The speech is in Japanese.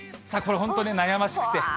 これ、本当ね、悩ましくて。